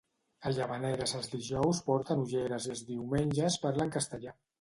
A Llavaneres els dijous porten ulleres i els diumenges parlen castellà.